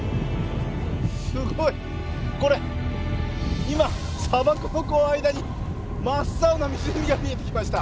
すごい！これ今砂漠の間に真っ青な湖が見えてきました。